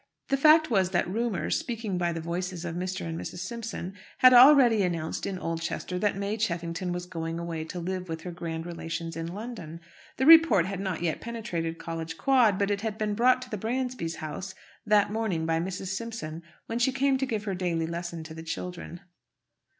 The fact was that rumour, speaking by the voices of Mr. and Mrs. Simpson, had already announced in Oldchester that May Cheffington was going away to live with her grand relations in London. The report had not yet penetrated College Quad, but it had been brought to the Bransbys' house that morning by Mrs. Simpson when she came to give her daily lesson to the children.